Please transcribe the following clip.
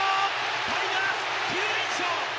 タイガース９連勝！